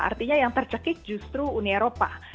artinya yang tercekik justru uni eropa